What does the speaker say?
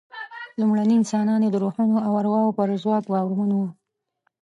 لومړني انسانان د روحونو او ارواوو پر ځواک باورمن وو.